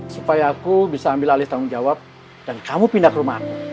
supaya aku bisa ambil alih tanggung jawab dan kamu pindah ke rumah